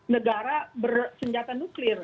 negara bersenjata nuklir